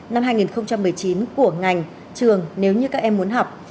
năm hai nghìn một mươi chín của ngành trường nếu như các em muốn học